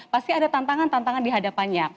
pasti ada tantangan tantangan di hadapannya